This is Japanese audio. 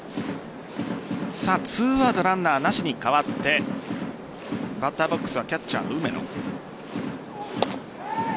２アウトランナーなしに変わってバッターボックスはキャッチャーの梅野。